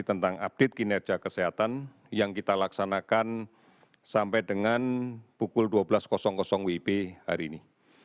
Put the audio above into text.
tentang update kinerja kesehatan yang kita laksanakan sampai dengan pukul dua belas wib hari ini